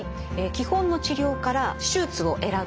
基本の治療から手術を選ぶ場合。